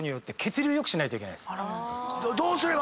どうすれば。